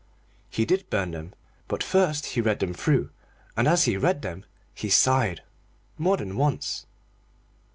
He did burn them but first he read them through, and as he read them he sighed, more than once.